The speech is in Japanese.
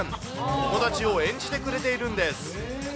友達を演じてくれているんです。